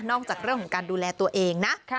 จากเรื่องของการดูแลตัวเองนะ